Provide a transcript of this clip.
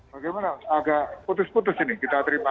bagaimana agak putus putus ini kita terima